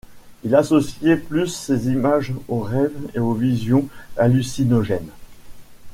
Ils associaient plus ces images aux rêves et aux visions hallucinogènes.